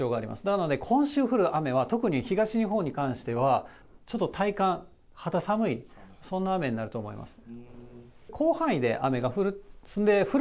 なので今週降る雨は、特に東日本に関しては、ちょっと体感、肌寒い、そんな雨になると思います。